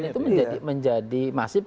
dan itu menjadi masif